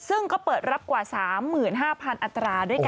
ซึ่งก็เปิดรับกว่า๓๕๐๐อัตราด้วยกัน